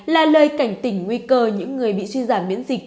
là lời cảnh tỉnh nguy cơ những người bị suy giảm miễn dịch